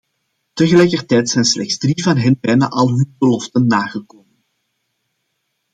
Tegelijkertijd zijn slechts drie van hen bijna al hun beloften nagekomen.